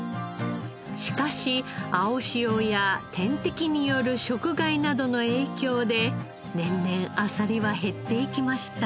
しかし青潮や天敵による食害などの影響で年々あさりは減っていきました。